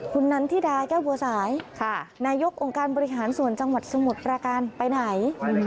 คุณนันทิดาแก้วบัวสายนายกองค์การบริหารส่วนจังหวัดสมุทรประการไปไหน